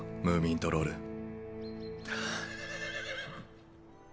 ムーミントロール。